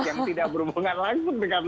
yang tidak berhubungan langsung